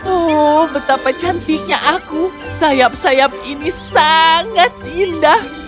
oh betapa cantiknya aku sayap sayap ini sangat indah